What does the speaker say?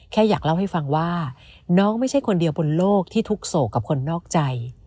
แค่อยากเล่าให้ฟังว่าน้องไม่ใช่คนเดียวบนโลกที่ทุกข์โศกกับคนนอกใจ